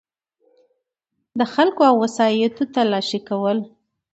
دخلګو او وسایطو تلاښي کول